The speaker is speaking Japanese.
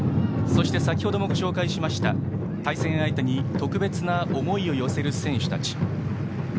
そして、先ほどもご紹介しました対戦相手に特別な思いを寄せる選手たち。